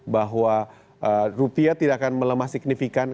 bahwa rupiah tidak akan melemah signifikan